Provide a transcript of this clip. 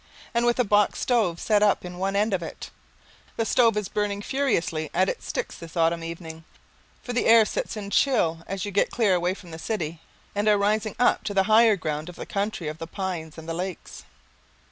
and with a box stove set up in one end of it? The stove is burning furiously at its sticks this autumn evening, for the air sets in chill as you get clear away from the city and are rising up to the higher ground of the country of the pines and the lakes.